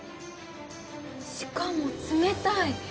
しかも冷たい。